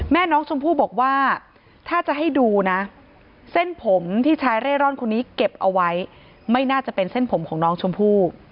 แม่น้องชมพู่บอกว่าถ้าจะให้ดูนะเส้นผมที่ชายเร่ร่อนคนนี้เก็บเอาไว้ไม่น่าจะเป็นเส้นผมของน้องชมพู่